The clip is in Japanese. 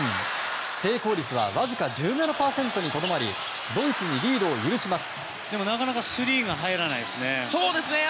成功率はわずか１７％にとどまりドイツにリードを許します。